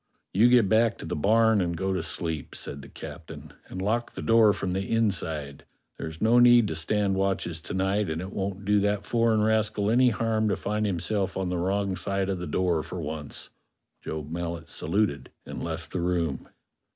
"You get back to the barn and go to sleep," said the captain, "and lock the door from the inside; there's no need to stand watches to night, and it won't do that foreign rascal any harm to find himself on the wrong side of the door for once." Job Mallet saluted and left the room.